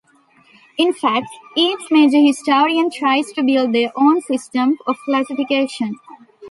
In fact, each major historian tries to build their own system of classification.